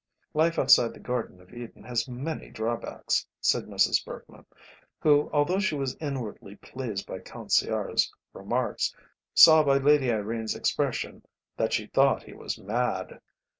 "Life outside the garden of Eden has many drawbacks," said Mrs. Bergmann, who, although she was inwardly pleased by Count Sciarra's remarks, saw by Lady Irene's expression that she thought he was mad.